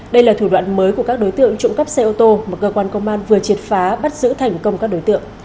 đây là thủ đoạn mới của các đối tượng trộm cắp xe ô tô mà cơ quan công an vừa triệt phá bắt giữ thành công các đối tượng